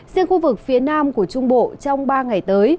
riêng khu vực phía nam của trung bộ trong ba ngày tới